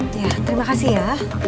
terima kasih ya